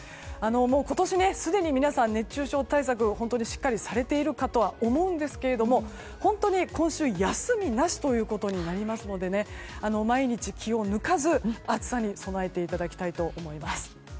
今年すでに皆さん熱中症対策を本当にしっかりされているとは思いますが本当に今週は休みなしということになりますので毎日、気を抜かず暑さに備えていただきたいと思います。